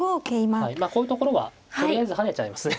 はいまあこういうところはとりあえず跳ねちゃいますね。